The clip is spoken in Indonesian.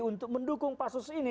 untuk mendukung pansus ini